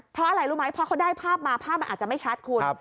เพราะอะไรรู้ไหมเพราะเขาได้ภาพมาภาพมันอาจจะไม่ชัดคุณ